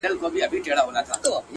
حدِاقل چي ته مي باید پُخلا کړې وای;